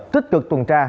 tích cực tuần tra